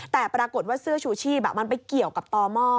แต่ปรากฏว่าเสื้อชูชีพมันไปเกี่ยวกับต่อหม้อ